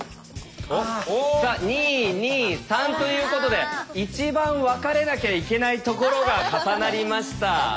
さあ「２」「２」「３」ということで一番分かれなきゃいけないところが重なりました。